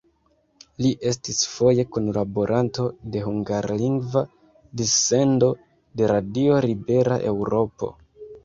Li estis foje kunlaboranto de hungarlingva dissendo de Radio Libera Eŭropo.